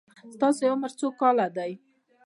ستاسو عمر څو کاله دی؟